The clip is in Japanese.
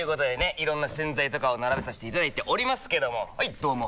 いろんな洗剤とかを並べさせていただいておりますけどもはいどうも！